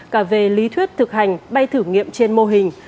cả về lý thuyết thực hành bay thử nghiệm trên mô hình